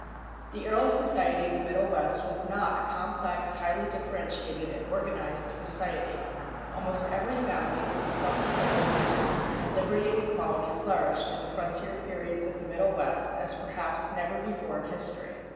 The early society of the Middle West was not a complex, highly differentiated and organized society. Almost every family was a self sufficing unit, and liberty and equality flourished in the frontier periods of the Middle West as perhaps never before in history.